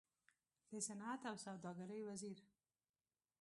د صنعت او سوداګرۍ وزير